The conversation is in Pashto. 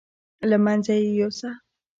له منځه یې یوسه.